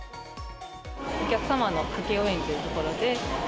お客様の家計応援というとこ